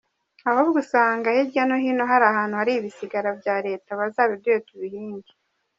Ahubwo usanga hirya no hino hari ahantu hari ibisigara bya Leta bazabiduhe tubihinge.